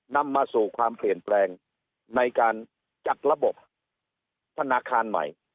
นำมาสู่ความเปลี่ยนแปลงในการจัดระบบธนาคารใหม่